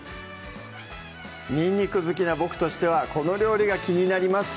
にんにく好きな僕としてはこの料理が気になります